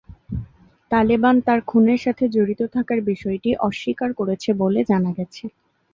তালেবান তার খুনের সাথে জড়িত থাকার বিষয়টি অস্বীকার করেছে বলে জানা গেছে।